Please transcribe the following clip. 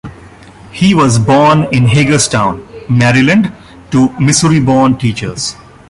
He was born in Hagerstown, Maryland, to Missouri-born teachers.